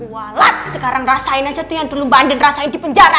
walau sekarang rasain aja tuh yang dulu mbak andden rasain di penjara